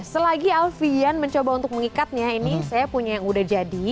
selagi alfian mencoba untuk mengikatnya ini saya punya yang udah jadi